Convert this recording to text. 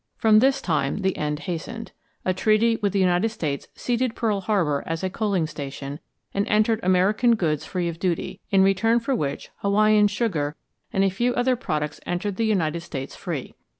From this time the end hastened. A treaty with the United States ceded Pearl Harbor as a coaling station and entered American goods free of duty, in return for which Hawaiian sugar and a few other products entered the United States free.